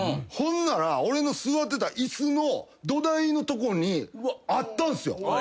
ほんなら俺の座ってた椅子の土台のとこにあったんすよ。